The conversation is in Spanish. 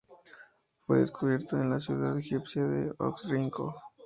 Fue descubierto en la ciudad egipcia de Oxirrinco.